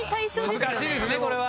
難しいですねこれは。